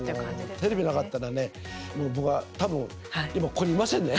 テレビなかったら、もう僕は多分、今ここにいませんね。